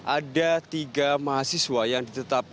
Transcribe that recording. ada tiga mahasiswa yang ditetapkan